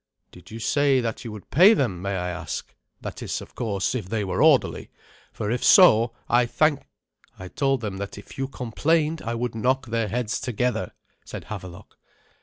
"Did you say that you would pay them, may I ask that is, of course, if they were orderly? For if so, I thank " "I told them that if you complained I would knock their heads together," said Havelok.